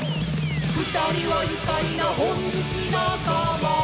「二人はゆかいな本好き仲間」